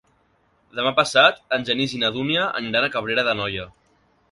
Demà passat en Genís i na Dúnia aniran a Cabrera d'Anoia.